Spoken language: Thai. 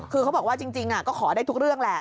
คือเขาบอกว่าจริงก็ขอได้ทุกเรื่องแหละ